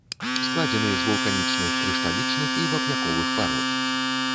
Складзены з вулканічных, крышталічных і вапняковых парод.